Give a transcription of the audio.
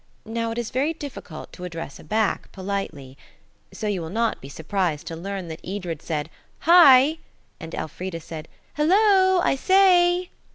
Now it is very difficult to address a back politely. So you will not be surprised to learn that Edred said, "Hi!" and Elfrida said, "Halloa! I say!"